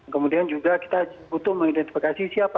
kemudian juga kita butuh mengidentifikasi siapa